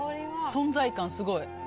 存在感、すごい！